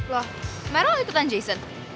loh marel ikutan jason